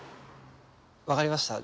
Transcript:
わかりました。